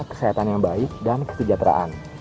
kesehatan yang baik dan kesejahteraan